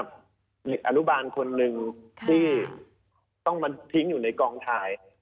มีคนหนึ่งที่ต้องมาทิ้งอยู่ในกองถ่าย